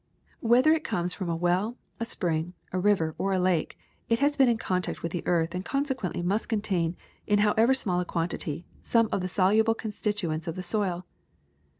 Whether it comes from a well, a spring, a river, or a lake, it has been in contact with the earth and consequently must contain, in however small a quantity, some of the soluble constituents of the soil.